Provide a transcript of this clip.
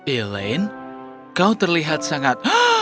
elaine kau terlihat sangat